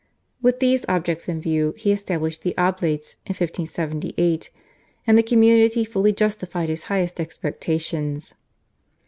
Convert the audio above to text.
With these objects in view he established the Oblates in 1578, and the community fully justified his highest expectations.